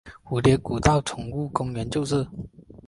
蝴蝶谷道宠物公园就是。